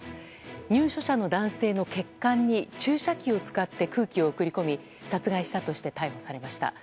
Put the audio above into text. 入所者の男性の血管に注射器を使って空気を送り込み殺害したとして逮捕されました。